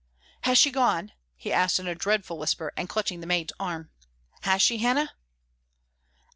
"Has she gone?" he asked in a dreadful whisper; and clutching the maid's arm, "has she, Hannah?"